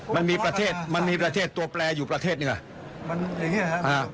มันมีประเทศมันมีประเทศตัวแปลอยู่ประเทศหนึ่งอ่ะ